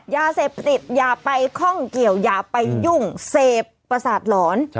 ยาเสพติดอย่าไปข้องเกี่ยวอย่าไปยุ่งเสพประสาทหลอน